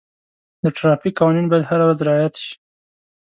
د ټرافیک قوانین باید هره ورځ رعایت شي.